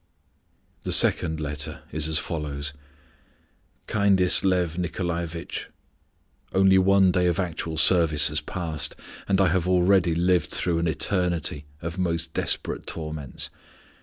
The second letter is as follows: "Kindest Lyof Nikolaevitch, Only one day of actual service has passed, and I have already lived through an eternity of most desperate torments.